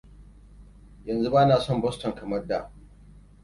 Yanzu bana son Boston kamar da.